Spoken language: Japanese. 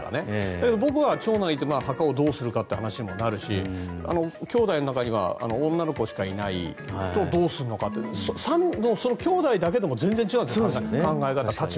だけど、僕は長男がいて墓をどうするかという話になるしきょうだいの中には女の子しかいないとどうするかとかきょうだいだけでも全然違うんですよね、考え方が。